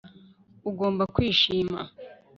Ugomba kwishima